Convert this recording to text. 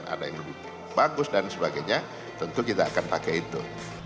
ada yang lebih bagus dan sebagainya tentu kita akan pakai itu